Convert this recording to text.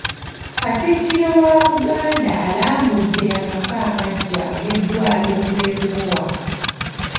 Katikkiro wa Buganda alambudde amaka amaggya ag'eddwaliro ly'e Lubowa.